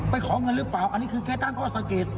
ขอเงินหรือเปล่าอันนี้คือแกตั้งข้อสังเกต